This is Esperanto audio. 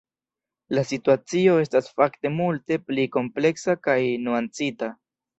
La situacio estas fakte multe pli kompleksa kaj nuancita.